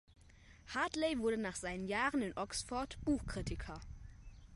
Hartley wurde nach seinen Jahren in Oxford Buchkritiker.